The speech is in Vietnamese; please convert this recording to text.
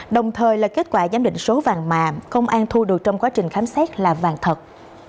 đồng thời là kết quả giám định số vàng mà công an thu được trong quá trình khám xét là vàng thật